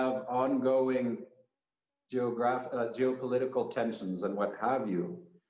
dan generasi baru gen z yang akan datang